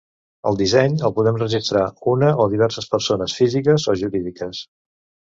El disseny el poden registrar una o diverses persones físiques o jurídiques.